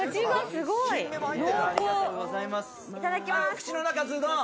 口の中、ズドン！